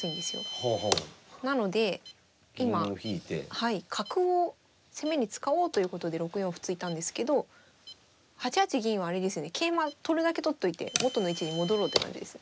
はい角を攻めに使おうということで６四歩突いたんですけど８八銀は桂馬取るだけ取っといて元の位置に戻ろうって感じですね。